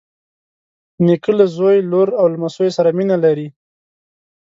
نیکه له زوی، لور او لمسیو سره مینه لري.